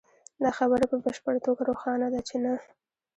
دا خبره په بشپړه توګه روښانه ده چې نه